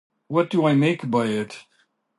What do I make by it?